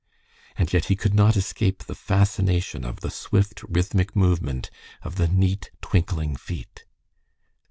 And yet he could not escape the fascination of the swift, rhythmic movement of the neat, twinkling feet.